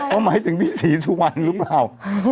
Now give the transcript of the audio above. หมายถึงพี่ศรีสุวรรณหรือเปล่า